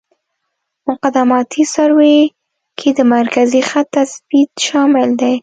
مقدماتي سروې کې د مرکزي خط تثبیت شامل دی